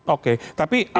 oke tapi apakah